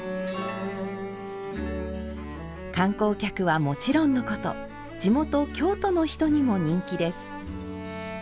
観光客はもちろんのこと地元・京都の人にも人気です。